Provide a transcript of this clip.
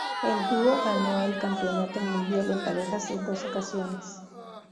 El dúo ganó el Campeonato Mundial en Parejas en dos ocasiones.